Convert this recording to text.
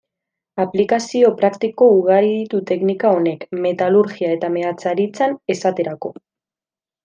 Aplikazio praktiko ugari ditu teknika honek, metalurgia eta meatzaritzan, esaterako.